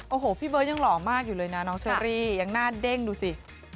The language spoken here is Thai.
โอ้โหพี่เบิร์ตยังหล่อมากอยู่เลยนะน้องเชอรี่ยังหน้าเด้งดูสิ